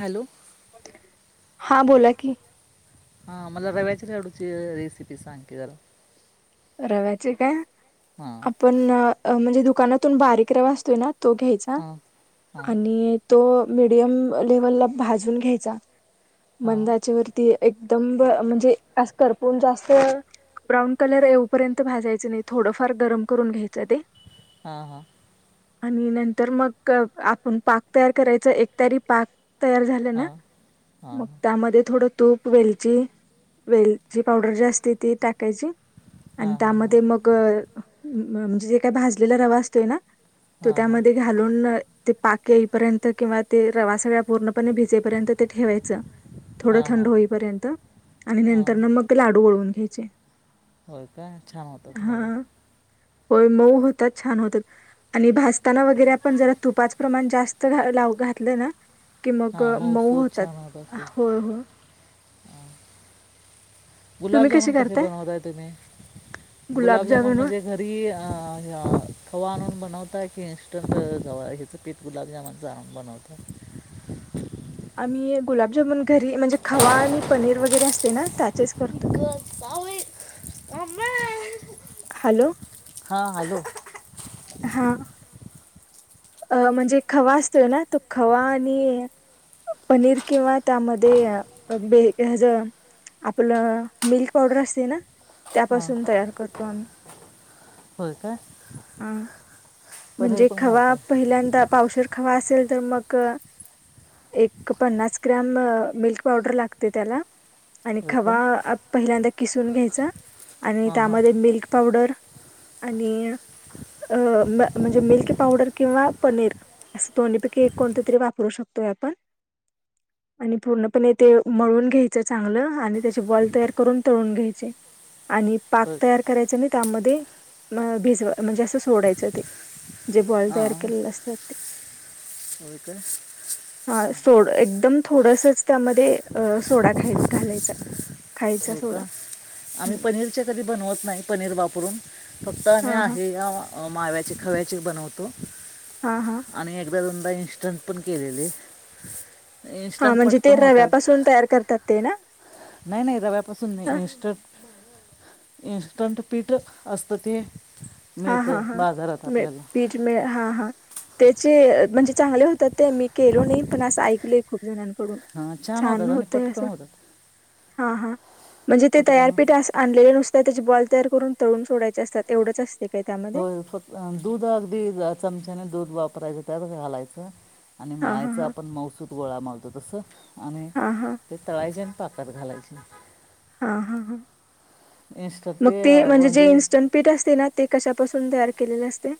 Hello हां बोला की. हा, मला रव्याची लाडूची रेसिपी सांग की जरा. रव्याचे काय? हा. पण, म्हणजे दुकानातून बारीक रवा असतोय ना, तो घ्यायचा. हां हां आणि तो, मीडियम लेवल ला भाजून घ्यायचा, हां मंद आचेवरती ती, एकदम म्हणजे अस, करपण, जास्त ब्राऊन कलर येऊ पर्यंत भाजायचं नाही, थोडंफार गरम करून घ्यायचं ते. हा हा. आणि, नंतर मग आपण पाक तयार करायचं, एकतरी पाक. तयार झालं ना, हां हां मग त्यामध्ये थोडं तूप, वेलची, वेलची पावडर जी असते, ती टाकायची. आणि हां हां हां त्यामध्ये मग, म्हणजे जे काही भाजलेला रवा असतोय ना, तो हां त्यामध्ये घालून, ते पाक येईपर्यंत, किंवा ते रवा सगळ्या पूर्णपणे भ र्यंत ते ठेवायच, थोडं हां थंड हां होईपर्यंत, आणि हां नंतर मग ते लाडू वळून घ्यायचे. होय काय, छान होतात हा लाडू. होय मऊ होतात, छान होतात. आणि भजताना वगैरे आपण जरा तुपाचं प्रमाण, जास्त लाव, घातलं ना कि मग हां मऊ मऊसूद होतात, छान होत असतो होय होय. तुम्ही कशी गुलाबजामुन कसे करताय बनवताय तुम्ही? गुलाबजामुन गुलाबजामुनवर म्हणजे घरी अ खवा आणून बनवताय, की इंस्टंटवा, हच पि गुलाबजामनचं आमी बनवतोय. आम्ही गुलाबजामन घरी, म्हणजे खवा आणि पनीर वगैरे असतय ना, त्याचेच करतो. हॅलो हा हॅलो. हा अ म्हणजे खवा असतोय ना तो खवा आणि पनीर किंवा त्यामध्ये बेज आपलं मिल्क पावडर असते ना त्यापासून तयार करतो आम्ही हो का. हा म्हणजे खवा पहिल्यांदा पावशीर खवा असेल तर मग एक पन्नास ग्रॅम मिल्क पावडर लागते त्याला आणि होय का खवा पहिल्यांदा किसून घ्यायचा आणि हां हां त्यामध्ये मिल्क पावडर आणि आणि अ म म्हणजे मिल्की पावडर किंवा पनीर. असं दोन्हीपैकी एक कोणते तरी वापरू शकतोय आपण. [inaudible] आणि पूर्णपणे ते मळून घ्यायचं चांगलं आणि त्याचे बॉल तयार करून तळून घ्यायचे. आणि पाक होय तयार करायचं आणि त्यामध्ये भिजवा म्हणजे असं सोडायचं ते. जे बॉल हां तयार केलेले असतात ते. होय काय? हा सोड एकदम थोडसच त्यामध्ये, सोडा खाय घालायचा खायचा हो सो का आम्ही पण कधी बनवत नाही पनीर वापरून, फक्त आम्ही हा हा आहे या माव्याचे खव्याचे बनवत तो हा हा आणि एकदा दोनदा इन्स्टंट पण केलेले. हा इन्स्टंट म्हणजे ते पटकन होतात रव्यापासून तयार करतात ते ना? नाही नाही रव्यापासून नाही, हा इन्स्टट इन्स्टंट पीठ असतं ते हा हा मिळतं हा बाजारात मिळ आपल्याला. पीठ मिळ, हा हा त्याचे, म्हणजे चांगले होतात ते मी केलो नाही, पण असं ऐकलंय खूप जणांकडून. हां छान होतात आणि होतंय पटकन असं, होतात हा हा म्हणजे ते तयार पटकन पीठ अस आणलेलं नुसत्या त्याचे बॉल तयार करून तळून सोडायचे असतात, एवढंच असतंय. होय फक अ दूध अगदी चमच्याने दूध वापरायचं त्यात घालायचं. आणि हां हां मळायचा हां. आपण मऊसूत गोळा मळतो तसं आणि हां हां. ते तळायचे आणि पाकात घालायचे. हा हा हा, मग ते म्हणजे जे इन्स्टंट पीठ असते ना, ते कशापासून तयार केलेले असते?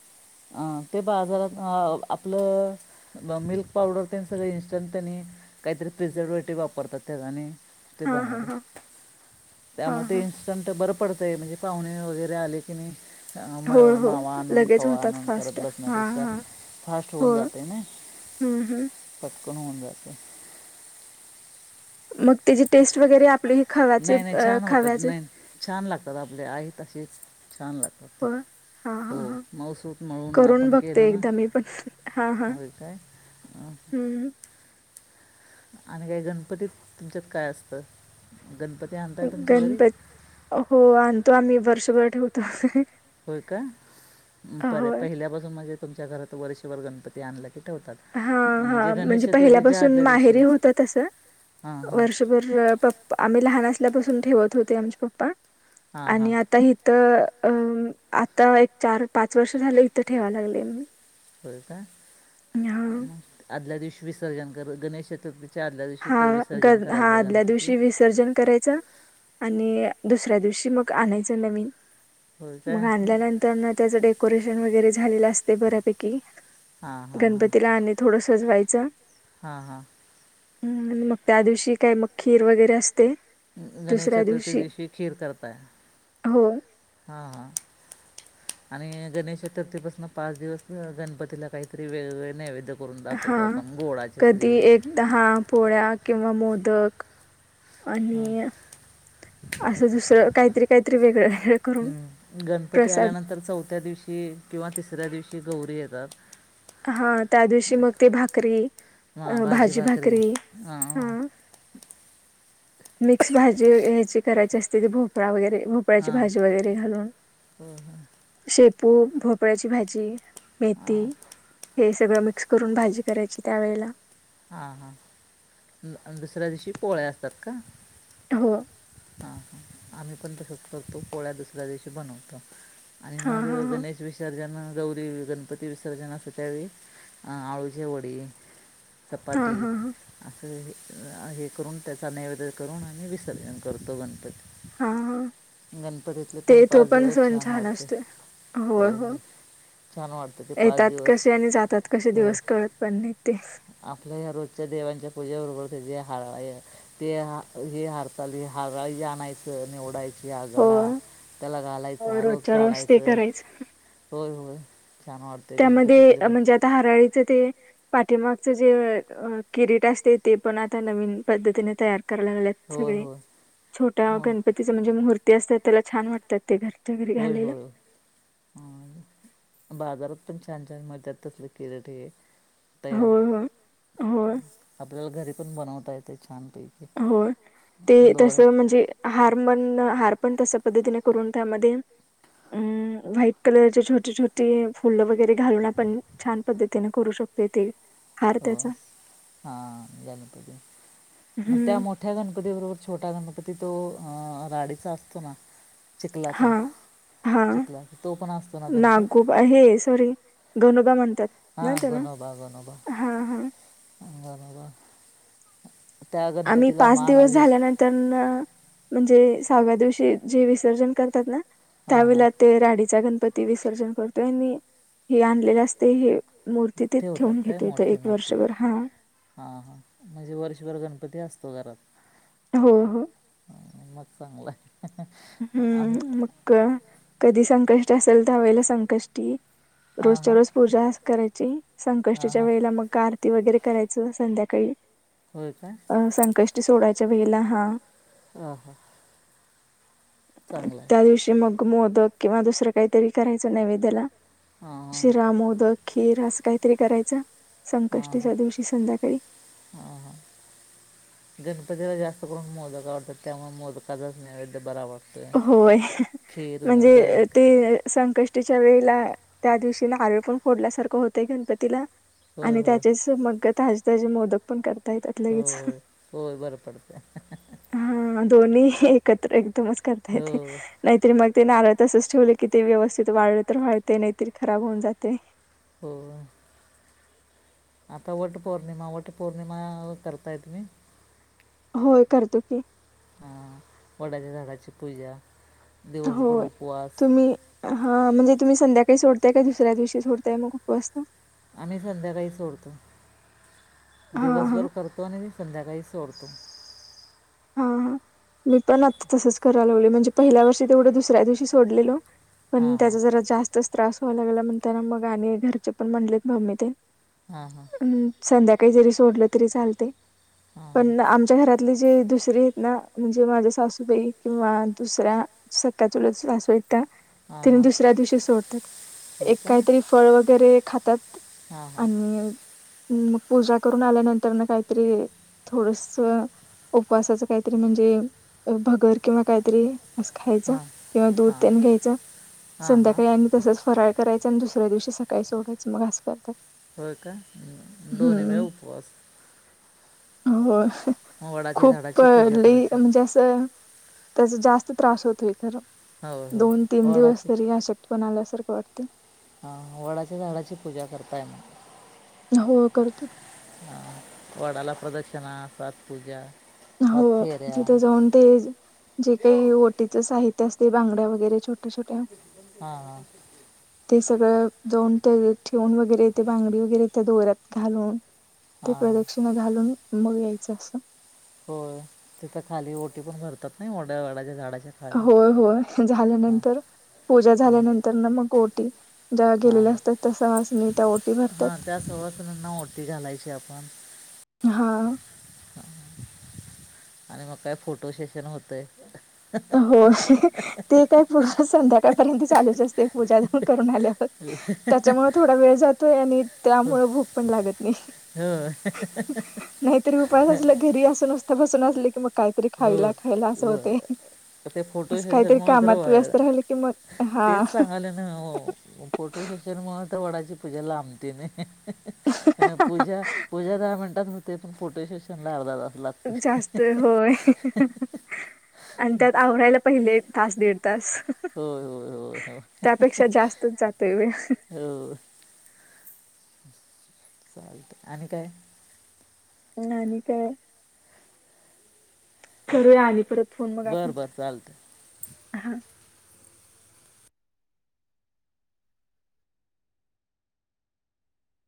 अं ते बाजारात आपलं म मिल्क पावडर त्यां सगळे इंस्टंट त्यांनी, काहीतरी प्रिझर्वेटिव वापरतात त्याच्यानी ते हां हां बनवतं, हां. हां त्यामुळं ते हां. इन्स्टंट बरं पडतंय, म्हणजे पाहुणे वगैरे आले की नाय, अ होय, मा हो. मावा आणून ख लगेच होतात आणून करत फास्ट. हां बसण्यापेक्षा, हां. फास्ट होऊन होय. जाते ना. हं, हं. पटकन होऊन जाते. मग त्याची टेस्ट वगैरे आपली ही खव्याचे नाही नाही, अ, छान होतात खव्याचे नाही छान लागतात आपले आहे तशीच. छान लागतात. होय. हां हो हां हां. मऊसूत मळून करून आपण बघते केलं ना, एकदा मी पण. होय काय? अं, हम्म आणि काय, गणपतीत तुमच्यात काय असतं? गणपती आन गणपत, हो आणतो आम्ही वर्षभर ठेवतो. होय का? बरे होय. पहिल्यापासून म्हणजे तुमच्या घरात वर्षभर गणपती आणला की ठेवतात. हा हा, गणेश म्हणजे चतुर्थीच्या पहिल्यापासून आदल्या दिवशी माहेरी होत तसं. हां हां वर्षभर पप आम्ही लहान असल्यापासून ठेवत होते आमचे पप्पा हां हां आणि आता ही त अ आता एक चार पाच वर्ष झालं इथं ठेवा लागले मी. हो का? हा म आदल्या दिवशी विसर्जन कर गणेश चतुर्थी हा ग हा आदल्या दिवशी विसर्जन करायचं. आणि दुसऱ्या दिवशी मग आणायचं नवीन. होय काय मग हां आणल्यानंतर ना त्याचं डेकोरेशन वगैरे झालेलं असते बऱ्यापैकी. हा हा हा तिला आणि थोडं सजवायचं. हा. हा. ह. आणि मग त्या दिवशी काय मग खीर वगैरे असते? गणेश चतुर्थी दिवशी खीर करता, हो हा. आणि गणेश चतुर्थी पासन पाच दिवस गणपतीला काहीतरी वेगळवेगळ नेवेद- करून दाखवतो आपण गोळाचे [unintelligible] दहा पोळ्या किंवा मोदक हां आणि- असं दुसरं काहीतरी काहीतरी वेगळं. करून हम्. गणपती प्रसाद आल्यानंतर, चौथ्या दिवशी किंवा तिसऱ्या दिवशी गौरी येतात. हा, त्या दिवशी मग ते भाकरी, अ.. भाजी भाकरी- हा. मिक्स भाजी ह्याची करायची असते, ते भोपळा वगैरे भ- भोपळ्याची हां भाजी वगैरे घालून. हां शेपू, भोपळ्याची भाजी, मेथी, हे सग- सगळं मिक्स करून भाजी करायची, त्यावेळेला. हां, हां, दुसऱ्या दिवशी पोळ्या असतात का? हो. हा, हा, आम्ही पण तसं करतो पोळ्या दुसऱ्या दिवशी बनवतो. आणि हां मग हां हां गणेश विष- र्जन गौरी, गणपती विसर्जन असंत, त्यावेळी आळूचे वडी- हां चपाती- हां असं हे करून, त्याचा नैवेद करून आम्ही विसर्जन करतो गणपती. हा, गणपतीतले ते तो पाच पण दिवस सण छान वाटते असतोय, हो, होय हो. होय छान वाटतं ते पाच येतात दिवस कसे आणि जातात कसे हो दिवस कळत पण नाही ते. आपल्या या रोजच्या देवांच्या पूजेबरोबर ते जे हळ- ते ह हे हरचाली ह आणयचं निवडायचं [unintelligible] ते आघाडा होय. त्याला हो. घालायचा, रोज रोजच्या ते काढायचं- करायचं होय, होय छान वाट- त्यामध्ये म्हणजे आता हारळीचं ते- पाठीमागच जे किरीट असते, ते पण आता नवीन पद्धतीने तयार करायला लागलेत- होय सगळे. होय छोट्या मग गणपतीच्या म्हणजे मूर्ती असतात, त्याला छान वाटतात ते घर- होय, होय. ह. बाजारात पण छान, छान मिळत्यात तसल किरट हे- तयार. होय होय होय आपल्याला घरी पण बनवता येते छान पैकी. होय, ते तसं म्हणजे- हार म्हण, हार पण तशा पद्धतीने करून त्यामध्ये- हम.. व्हाईट कलरचे छोटे छोटे- ते फुलं वगैरे घालून, आपण छान पद्धतीने करू शकतोय ते हार त्याचा. हा झालं तजे म त्या हम्म मोठ [unintelligible] मोठठ्या गणपती बरोबर, छोटा गणपती तो राडीचा असतो ना- चिखलाचा, हा चिखलाचा तो पण असतो ना तुमचा. हा हे सॉरी गनुबा म्हणतात. ना हां, त्याला गणोबा, गणोबा, हा हा गणोबा. त्या आम्ही गणपतीला पाच मान दिवस अभिष झाल्यानंतरन- म्हणजे सहाव्या दिवशी जे विसर्जन करतात ना हां हां त्यावेळा- ते राडीचा गणपती विसर्जन करतो आणि हे आणलेले असते हे- मूर्ती तिथे ठेवतात ठेवून घेत होत एक वर्षभर, हा. हा, हा, म्हणजे वर्षभर गणपती असतो घरात. हो. हो. मग चांगलंय. ह [unintelligible] हम्म मग काय कधी संकष्टी असल त्यावेळेला संकष्टी हां रोजच्या हां रोज पूजा करायची हां संकष्टीच्या हां वेळेला मग का आरती वगैरे करायचं संध्याकाळी. होय काय? अ संकष्टी सोडायच्या वेळेला हा. हा हा! चांगलाय. त्या दिवशी मग मोदक किंवा दुसरं काहीतरी करायचं नैवेद्याला. हा! शिरा, मोदक, खीर असं काहीतरी करायच संकष्टीच्या दिवशी संध्याकाळी. ह हा! गणपतीला जास्त करून मोदक आवडत्यात त्यामुळ मोदकाचाच नैवेद्य बरा वाटतो. होय म्हणजे ते संकष्ट ष्टीच्या वेळेला त्या दिवशीला नारळ पण फोडल्यासारखं होतंय गणपतीला होय आणि होय त्याचेच मग ताजे ताजे मोदक पण करता येतात लगेच. होय होय होय बरं पडतं हा दोन्ही एकत्र एकदमच करता येतय. हो नाहीतरी मग ते नारळ तसंच ठेवलं की ते व्यवस्थित वाळलं तर वाळतय नाहीतरी खराब होऊन जातय. हो! आता वटपौर्णिमा वटपौर्णिमा ओ करताय तुम्ही? होय करतो की. हा वडाच्या झाडाची पूजा दिवसभर होय उपवास. तुम्ही हा म्हणजे तुम्ही संध्याकाळी सोडताय का दुसऱ्या दिवशी सोडताय मग उपवास? आम्ही संध्याकाळी सोडतो हा हा दिवसभर करतो आणि संध्याकाळी सोडतो. हा हा मी पण आता तसंच करायला लागलोय म्हणजे पहिल्या वर्षी तेवढं दुसऱ्या दिवशी सोडलेल. पण हां त्याचा जरा जास्तच त्रास व्हायला लागला म्हणतान मग आणि घरचे पण म्हणलेत मम्मी ते हा हा! संध्याकाळी जरी सोडली तरी चालतय हां पण आमच्या घरातली जे दुस ना म्हणजे माझ्या सासूबाई किंवा दुसऱ्या सख्या चुलत सासू आहेत त्या. हां हां हां त्यांनी हां दुसऱ्या दिवशी सोडतात होय एक का काहीतरी फळ वगैरे खातात. हां हां आणि हम्म मग पूजा करून आल्यानंतर काहीतरी थोडस उपवासाच काहीतरी म्हणजे भगर किंवा काहीतरी अस खायच हां किंवा दूध हां तेन घ्यायचा हां हां संध्याकाळी आणि तसच फराळ करायचं आणि दुसऱ्या दिवशी सकाळी सोडायच मग अस करतात. होय काय दोन्ही वेळा हम्म उपवास होय! मग वडाच्या खूप झाडाची पूजा लय करायची म्हणजे असं तेज जास्त त्रास होतोय खरं. होय हो दोन तीन दिवस वडाची तरी अशक्तपना आल्यासारखं वाटतय. हा वडाच्या झाडाची पूजा करताय ना? हो करतो. हा वडाला प्रदक्षिणा सात पूजा हो सात फेऱ्या तिथं जाऊन ते जे काही ओटीचं साहित्य असतय बांगड्या वगैरे छो छोट्या हां हां ते सगळं जाऊन ते ठेवून वगैरे ते बांगडी वगैरे त्या दोऱ्यात घालून ते हां हां प्रदक्षिणा घालून मग यायचं असं. होय तिथं खाली ओटी पण भरतात नाही वडा वाडाच्या झाडाच्या खाली होय होय हां झाल्यानंतर पूजा हां झाल्यानंतर न मग ओटी ज्या हां गेलेल्या असतात त्या सवासिनी त्या ओटी भरतात. हां त्या सवासणांना ओटी घालायची आपण हा! आणि मग काय फोटो सेशन होतंय. हो ते काय पूर् संध्याकाळपर्यंत चालूच असते पूजा करून आल्यावर त्याच्यामुळे थोडा वेळ जातोय आणि त्यामुळे भूक पण लागत नाही ह ह ह ह नाहीतरी उपाय असल्या घरी असून असत बसून असलं की मग काहीतरी हो खायला खायला असं व होते ते फोटो असं सेशन काहीतरी मुळ तर व कामात व्यस्त राहिलं की मग हा तेच हाल हो फोटो सेशन मुळ तर वडाची पूजा लांबतेने पूजा पूजा दहा मिनिटात होते पण फोटो सेशन अर्धा तास लागतो जास्त होय आणि त्यात आवरायला पहिले तास दीड तास होय होय होय हो पेक्षा जास्तच जातोय व हो चालत आणि काय आणि आणि काय करूया आलीकडे फोन मग आपण बरं बरं चालतं हा